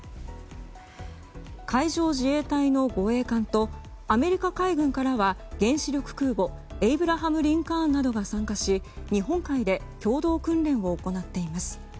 海上自衛隊の護衛艦とアメリカ海軍からは原子力空母「エイブラハム・リンカーン」などが参加し日本海で共同訓練を行っています。